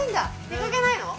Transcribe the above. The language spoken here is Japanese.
出かけないの？